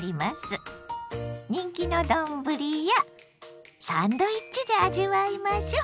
人気の丼やサンドイッチで味わいましょ！